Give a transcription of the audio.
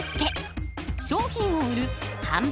商品を売る販売。